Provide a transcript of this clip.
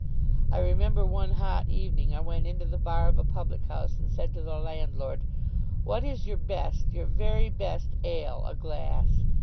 I remember one hot evening I went into the bar of a public house, and said to the landlord: 'What is your best your very best ale a glass?